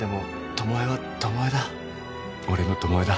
俺の巴だ。